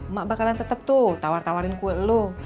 mak bakalan tetep tuh tawarin kue lo